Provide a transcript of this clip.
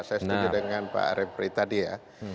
saya setuju dengan pak repri tadi ya